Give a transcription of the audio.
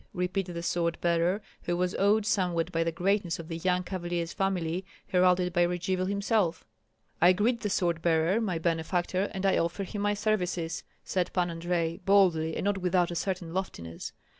repeated the sword bearer, who was awed somewhat by the greatness of the young cavalier's family, heralded by Radzivill himself. "I greet the sword bearer, my benefactor, and offer him my services," said Pan Andrei, boldly and not without a certain loftiness.